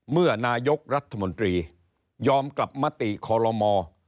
เมื่อนายกรัฐมนตรียอมกลับมติคอลโลม